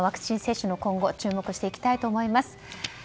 ワクチン接種の今後注目していきたいと思います。